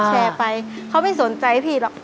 แชร์ไปเขาไม่สนใจพี่หรอก